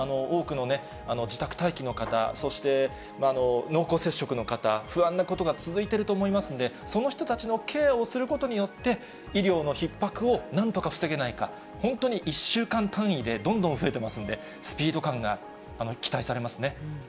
多くの自宅待機の方、そして濃厚接触の方、不安なことが続いていると思いますので、その人たちのケアをすることによって、医療のひっ迫をなんとか防げないか、本当に１週間単位でどんどん増えてますんで、スピード感が期待されますね。